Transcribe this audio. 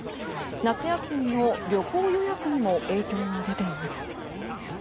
夏休みの旅行予約にも影響が出ています。